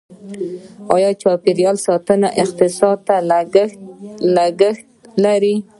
آیا چاپیریال ساتنه اقتصاد ته لګښت لري؟